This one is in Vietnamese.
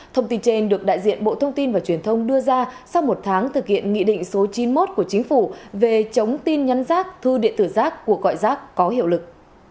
thông tin trên được đại diện bộ thông tin và truyền thông đưa ra sau một tháng thực hiện nghị định số chín mươi một của chính phủ về chống tin nhắn rác thư điện tử rác cuộc gọi rác có hiệu lực